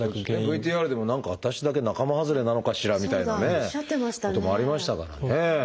ＶＴＲでも「何か私だけ仲間外れなのかしら」みたいなこともありましたからね。